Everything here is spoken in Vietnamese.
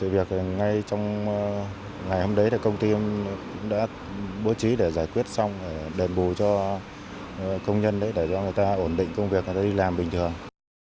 bố trí để giải quyết xong đền bù cho công nhân để cho người ta ổn định công việc để đi làm bình thường